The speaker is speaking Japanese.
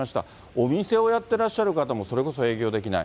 お店をやってらっしゃる方もそれこそ営業できない。